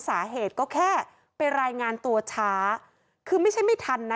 สาเหตุก็แค่ไปรายงานตัวช้าคือไม่ใช่ไม่ทันนะ